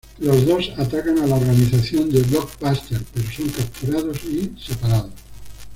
Los dos atacan a la organización de Blockbuster pero son capturados y separados.